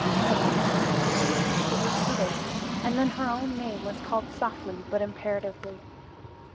The "hist" was repeated, and then her own name was called softly but imperatively.